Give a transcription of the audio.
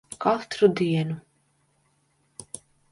Katru dienu.